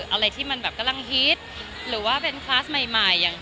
อะไรที่มันแบบกำลังฮิตหรือว่าเป็นคลาสใหม่อย่าง